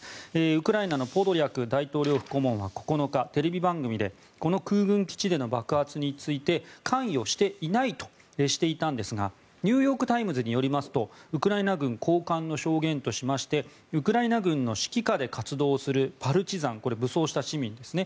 ウクライナのポドリャク大統領府顧問は９日、テレビ番組でこの空軍基地での爆発について関与していないとしていたんですがニューヨーク・タイムズによりますとウクライナ軍高官の証言としましてウクライナ軍の指揮下で活動するパルチザン、武装した市民ですね